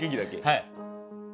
はい。